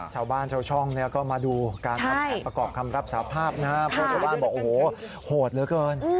ชาวบ้านชาวช่องเนี่ยก็มาดูการทำแผนประกอบคำรับสาภาพนะครับเพราะชาวบ้านบอกโอ้โหโหดเหลือเกิน